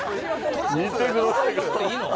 見てください。